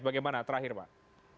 bagaimana terakhir pak